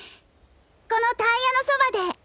このタイヤのそばで！